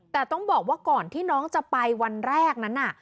แต่ต้องบอกว่าก่อนที่น้องจะไปวันแรกนั้นน่ะ